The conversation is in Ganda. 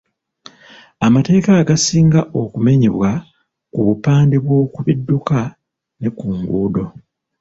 Amateeka agasinga okumenyebwa ku bupande bw’oku bidduka ne ku nguudo.